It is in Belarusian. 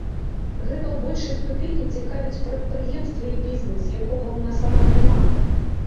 Гэта ў большай ступені цікавіць прадпрыемствы і бізнес, якога ў нас амаль няма.